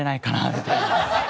みたいな。